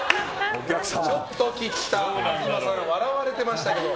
ちょっと切った東さん笑われていましたが。